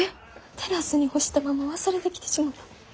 テラスに干したまま忘れてきてしもた。